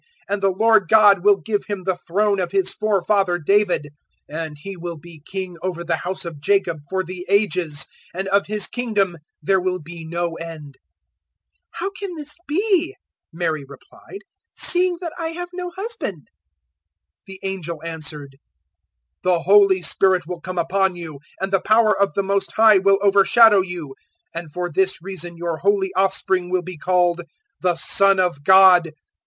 And the Lord God will give Him the throne of His forefather David; 001:033 and He will be King over the House of Jacob for the Ages, and of His Kingdom there will be no end." 001:034 "How can this be," Mary replied, "seeing that I have no husband?" 001:035 The angel answered, "The Holy Spirit will come upon you, and the power of the Most High will overshadow you; and for this reason your holy offspring will be called `the Son of God.'